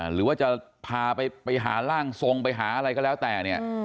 หรือว่าจะพาไปหาร่างทรงไปหาอะไรก็แล้วแต่เนี่ย